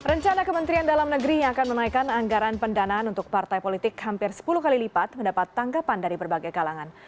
rencana kementerian dalam negeri yang akan menaikkan anggaran pendanaan untuk partai politik hampir sepuluh kali lipat mendapat tanggapan dari berbagai kalangan